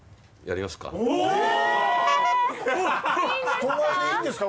人前でいいんですか？